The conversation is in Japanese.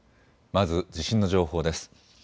まず地震の情報です。